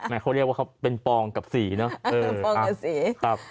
ไหมเขาเรียกว่าเขาเป็นปองกับสี